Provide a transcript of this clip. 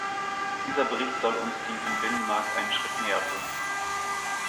Dieser Bericht soll uns diesem Binnenmarkt einen Schritt näher bringen.